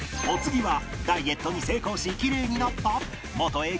お次はダイエットに成功しキレイになった？